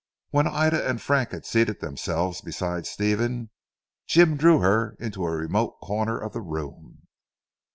When Ida and Frank had seated themselves beside Stephen, Jim drew her into a remote corner of the room.